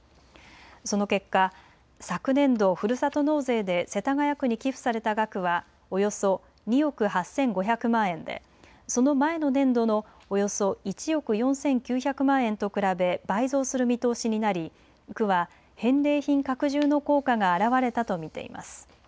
その結果、昨年度ふるさと納税で世田谷区に寄付された額はおよそ２億８５００万円でその前の年度のおよそ１億４９００万円と比べ倍増する見通しになり区は返礼品拡充の効果が表れたと見ています。